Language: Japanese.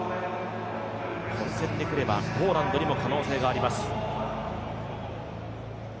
混戦でくればポーランドにも可能性があります。